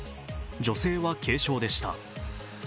女性は軽傷でした。